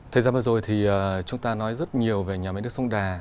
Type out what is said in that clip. thời gian vừa rồi thì chúng ta nói rất nhiều về nhà máy nước sông đà